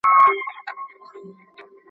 چي نه په ویښه نه په خوب یې وي بګړۍ لیدلې.